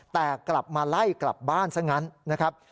แต่กลับมาไล่กลับบ้านซะงั้นนะครับ